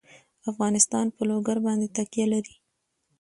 افغانستان په لوگر باندې تکیه لري.